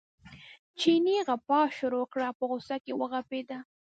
چیني غپا شروع کړه په غوسه کې وغپېد.